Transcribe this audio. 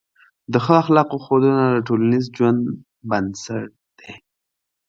د ښه اخلاقو ښودنه د ټولنیز ژوند بنسټ دی.